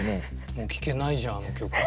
もう聴けないじゃんあの曲が。